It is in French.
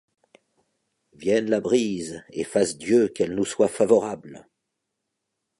Vienne la brise et fasse Dieu qu’elle nous soit favorable !